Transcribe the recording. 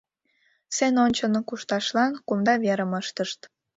Сцене ончылно кушташлан кумда верым ыштышт.